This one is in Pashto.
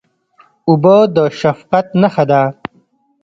اوبه د شفقت نښه ده.